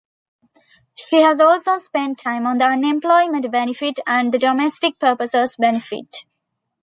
She has also spent time on the unemployment benefit and the domestic purposes benefit.